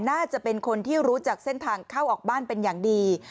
น่าจะเป็นคนที่รู้จักเส้นทางเข้าออกบ้านเป็นอย่างดี